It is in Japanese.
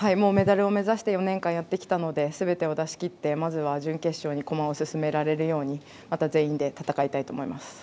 メダルを目指して４年間やってきたのですべてを出しきってまずは準決勝に駒を進められるよう、また全員で戦いたいと思います。